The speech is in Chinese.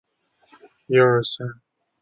这个功能招致了众多欧美用户的批评。